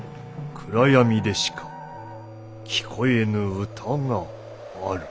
暗闇でしか聴こえぬ歌がある。